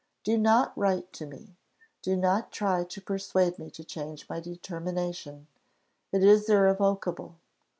Do not write to me do not try to persuade me to change my determination: it is irrevocable.